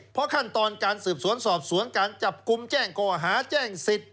เพราะขั้นตอนการสืบสวนสอบสวนการจับกลุ่มแจ้งก่อหาแจ้งสิทธิ์